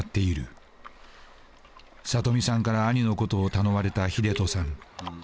里美さんから兄のことを頼まれた英人さん。